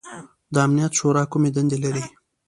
د امنیت شورا کومې دندې لري؟